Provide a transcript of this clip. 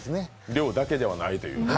量だけではないというね。